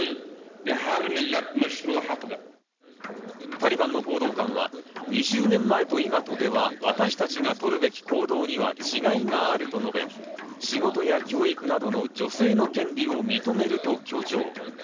タリバンの報道官は２０年前と今とでは私たちが取るべき行動には違いがあると述べ、仕事や教育などの女性の権利を認めると強調。